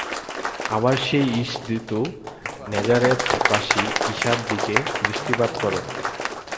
আবার, সেই ঈশদূত ন্যাজারেথবাসী ঈশার দিকে দৃষ্টিপাত কর।